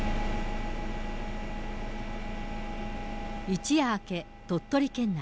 一夜明け、鳥取県内。